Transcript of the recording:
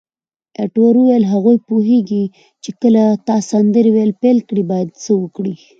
ایټور وویل: هغوی پوهیږي چې کله ته سندرې ویل پیل کړې باید څه وکړي.